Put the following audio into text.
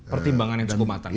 pertimbangan yang cukup matang